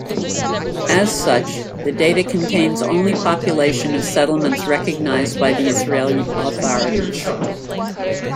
As such, the data contains only population of settlements recognized by the Israeli authorities.